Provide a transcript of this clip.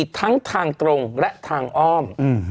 ทั้งทางตรงและทางอ้อม